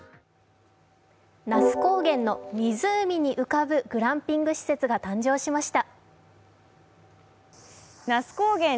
那須高原の湖に浮かぶグランピング施設が誕生しました。